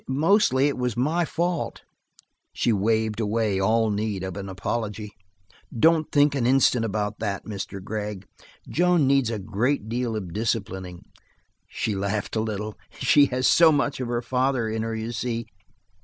Mostly, it was my fault." She waved away all need of apology. "Don't think an instant about that, Mr. Gregg. Joan needs a great deal of disciplining." She laughed a little. "She has so much of her father in her, you see.